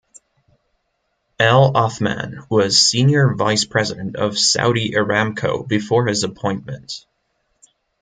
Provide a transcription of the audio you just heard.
Al Othman was senior vice president of Saudi Aramco before his appointment.